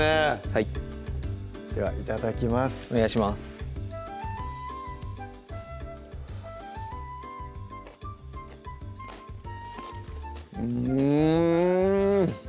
はいではいただきますお願いしますうん！